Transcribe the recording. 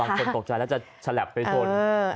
คนตกใจแล้วจะฉลับไปชน